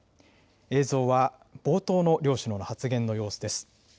映像は冒頭の両首脳の発言の様子です。